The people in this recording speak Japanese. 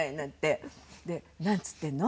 「なんつってんの？